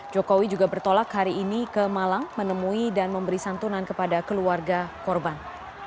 jokowi juga bertolak hari ini ke malang menemui dan memberi santunan kepada keluarga korban